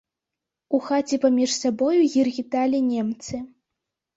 У хаце паміж сабою гергеталі немцы.